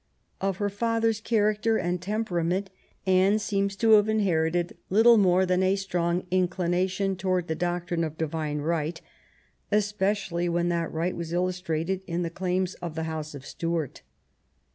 Of her f ather^s character and temperament Anne seems to have inherited little more than a strong inclination towards the doctrine of divine right, especially when that right was illustrated in the claims of the house of Stuart.